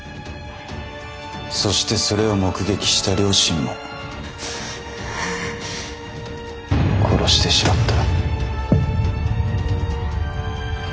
そしてそれを目撃した両親も殺してしまった。